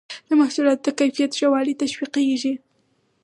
د محصولاتو د کیفیت ښه والی تشویقیږي.